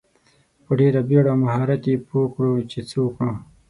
په ډیره بیړه او مهارت یې پوه کړو چې څه وکړو.